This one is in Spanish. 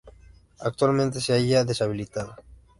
Actualmente se halla deshabitada.